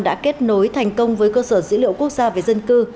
đã kết nối thành công với cơ sở dữ liệu quốc gia về dân cư